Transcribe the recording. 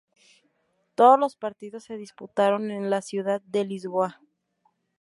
Todos los partidos se disputaron en la ciudad de Lisboa.